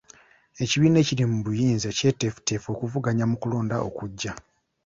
Ekibiina ekiri mu buyinza kyeteefuteefu okuvuganya mu kulonda okujja.